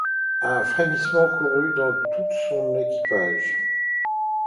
Un frémissement courut dans tout son équipage.